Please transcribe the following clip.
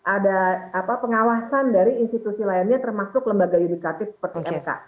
ada pengawasan dari institusi lainnya termasuk lembaga yudikatif seperti mk